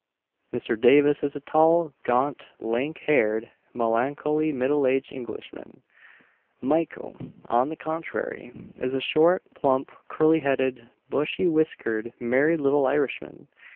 Mr. Davis is a tall, gaunt, lank haired, melancholy, middle aged Englishman. Mykle, on the contrary, is a short, plump, curly headed, bushy whiskered, merry little Irishman.